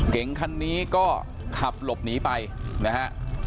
เก๋งคันนี้ก็ขับหลบหนีไปนะฮะ